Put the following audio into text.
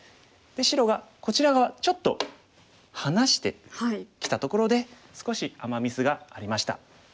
白がこちら側ちょっと離してきたところで少しアマ・ミスがありました。